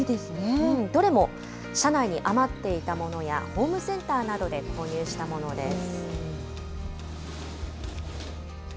どれも社内に余っていたものや、ホームセンターなどで購入したものです。